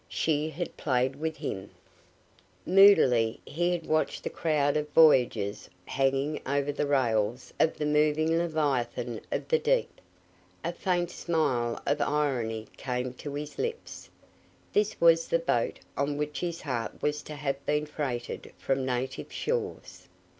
She had played with him! Moodily he watched the crowd of voyagers hanging over the rails of the moving leviathan of the deep. A faint smile of irony came to his lips. This was the boat on which his heart was to have been freighted from native shores.